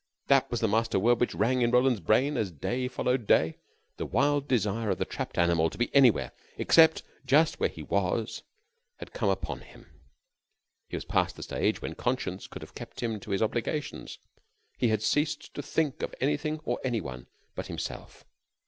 That was the master word which rang in Roland's brain as day followed day. The wild desire of the trapped animal to be anywhere except just where he was had come upon him. He was past the stage when conscience could have kept him to his obligations. He had ceased to think of anything or any one but himself.